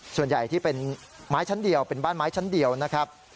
ส่วนใหญ่ที่เป็นไม้ชั้นเดียวเป็นบ้านไม้ชั้นเดียวนะครับ